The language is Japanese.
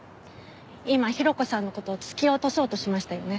今ヒロコさんの事突き落とそうとしましたよね？